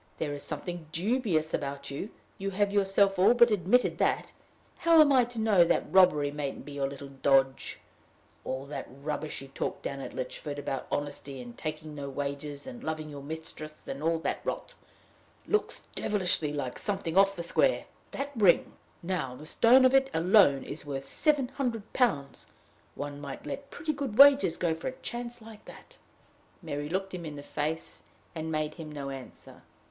There is something dubious about you you have yourself all but admitted that: how am I to know that robbery mayn't be your little dodge? All that rubbish you talked down at Lychford about honesty, and taking no wages, and loving your mistress, and all that rot, looks devilish like something off the square! That ring, now, the stone of it alone, is worth seven hundred pounds: one might let pretty good wages go for a chance like that!" Mary looked him in the face, and made him no answer.